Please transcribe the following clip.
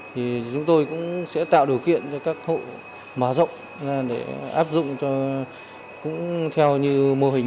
thì chúng tôi cũng sẽ tạo điều kiện cho các hộ mở rộng ra để áp dụng cũng theo như mô hình